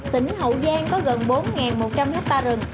tỉnh hậu giang có gần bốn một trăm linh hectare rừng